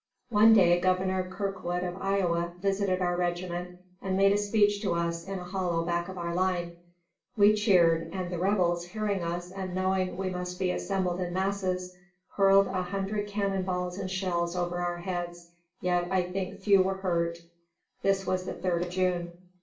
One day Governor Kirkwood of Iowa visited our regiment and made a speech to us in a hollow back of our line. We cheered, and the Rebels, hearing us and knowing we must be assembled in masses, hurled a hundred cannonballs and shells over our heads, yet I think few were hurt. This was the 3d of June.